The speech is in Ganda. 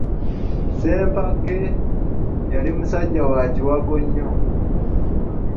Ssempake yali musajja wa kiwago nnyo.